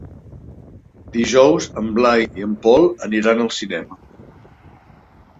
Dijous en Blai i en Pol aniran al cinema.